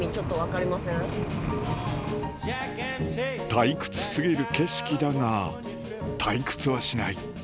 退屈過ぎる景色だが退屈はしない